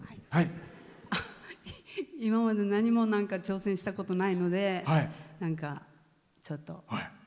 今まで何も挑戦したことないのでなんか、ちょっと。